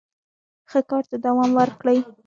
ښه کار ته دوام ورکړئ.